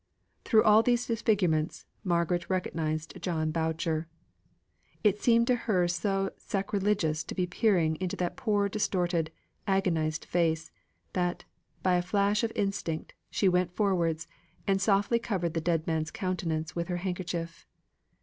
Through all these disfigurements, Margaret recognised John Boucher. It seemed to her so sacrilegious to be peering into that poor distorted, agonised face, that, by a flash of instinct, she went forwards and softly covered the dead man's countenance with her handkerchief.